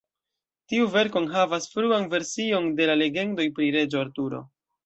Tiu verko enhavas fruan version de la legendoj pri Reĝo Arturo.